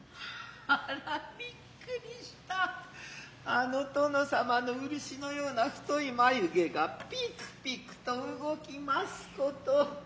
あの殿様の漆のような太い眉毛がびくびくと動きますこと。